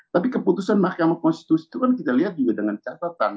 tapi keputusan mahkamah konstitusi itu kan kita lihat juga dengan catatan